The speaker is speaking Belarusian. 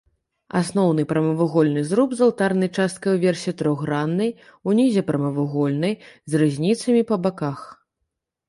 Асноўны прамавугольны зруб з алтарнай часткай уверсе трохграннай, унізе прамавугольнай, з рызніцамі па баках.